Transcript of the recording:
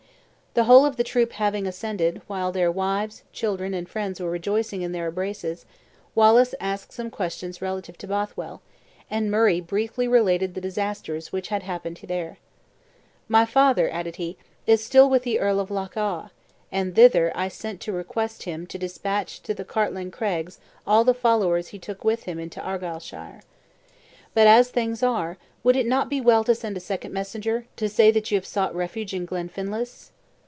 The whole of the troop having ascended, while their wives, children, and friends were rejoicing in their embraces, Wallace asked some questions relative to Bothwell, and Murray briefly related the disasters which had happened there. "My father," added he, "is still with the Lord of Loch awe; and thither I sent to request him to dispatch to the Cartlane Craigs all the followers he took with him into Argyleshire. But as things are, would it not be well to send a second messenger, to say that you have sought refuge in Glenfinlass?"